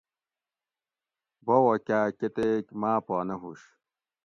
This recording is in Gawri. باوہ کاۤ کتیک ماۤ پا نہ ھوش